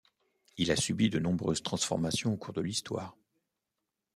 Il a subi de nombreuses transformations au cours de l'histoire.